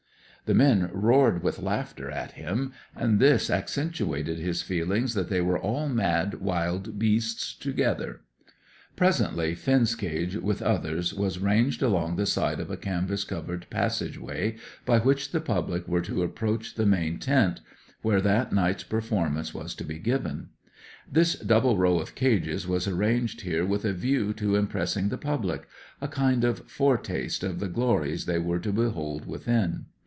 The men roared with laughter at him, and this accentuated his feeling that they were all mad wild beasts together. Presently, Finn's cage, with others, was ranged along the side of a canvas covered passage way by which the public were to approach the main tent, where that night's performance was to be given. This double row of cages was arranged here with a view to impressing the public; a kind of foretaste of the glories they were to behold within.